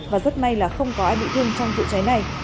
và rất may là không có ai bị thương trong vụ cháy này